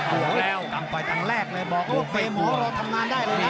โอ้โหตั้งไปตั้งแรกเลยบอกโรคเฟย์หมอเราทำงานได้เลยนะ